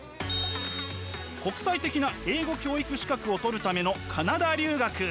国際的な英語教育資格を取るためのカナダ留学。